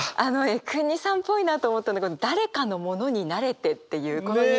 江國さんっぽいなと思ったのが「誰かのものになれて」っていうこの言い方。